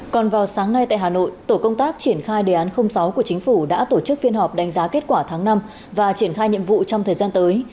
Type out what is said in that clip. còn vào sáng nay tại hà nội tổ công tác triển khai đề án sáu của chính phủ đã tổ chức phiên họp đánh giá kết quả tháng năm và triển khai nhiệm vụ trong thời gian tới